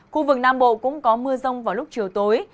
khu vực nam bộ cũng có mưa rông vào lúc chiều tối